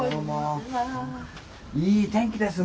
いい天気ですね。